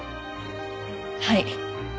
はい。